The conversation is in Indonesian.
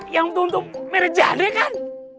yang untuk untuk mereja nih kan